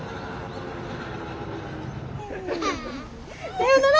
さよなら！